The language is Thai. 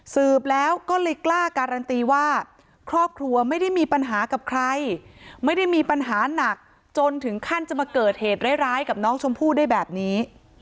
สืบแล้วก็เลยกล้าการันตีว่าครอบครัวไม่ได้มีปัญหากับใครไม่ได้มีปัญหาหนักจนถึงขั้นจะมาเกิดเหตุร้ายกับน้องชมพู่ได้แบบนี้